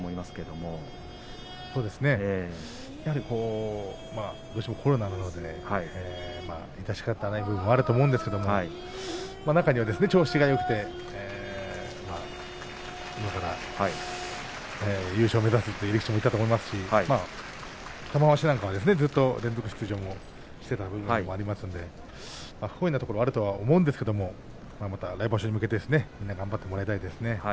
どうしてもコロナなので致し方ない部分もあるんですけれど、中には調子がよくて今から優勝を目指すという力士もいたと思いますし玉鷲なんかはずっと連続出場もしていた部分もありますので不本意なところはあると思うんですけれどまた来場所に向けてみんな頑張ってもらいたいですね。